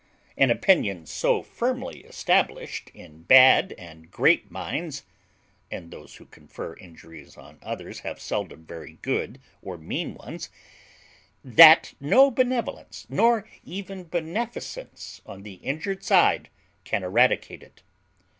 An opinion so firmly established in bad and great minds (and those who confer injuries on others have seldom very good or mean ones) that no benevolence, nor even beneficence, on the injured side, can eradicate it.